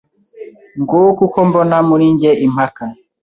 Nguko uko mbona muri njye impaka